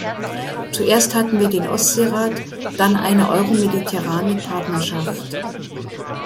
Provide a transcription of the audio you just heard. Zuerst hatten wir den Ostsee-Rat, dann eine Euromediterrane Partnerschaft.